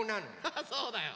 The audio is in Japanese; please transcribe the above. ハハそうだよ。